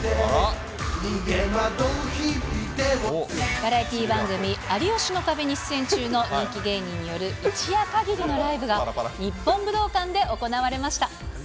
バラエティー番組、有吉の壁に出演中の人気芸人による一夜限りのライブが、日本武道館で行われました。